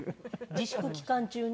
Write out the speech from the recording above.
自粛期間中に？